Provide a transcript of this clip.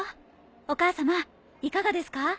お母さまいかがですか？